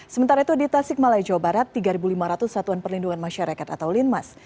sementara itu di tasik malaya jawa barat tiga lima ratus satuan perlindungan masyarakat atau linmas